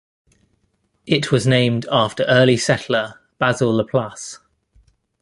It was named after early settler Basile Laplace.